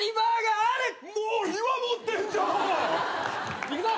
もう岩持ってんじゃん！いくぞ！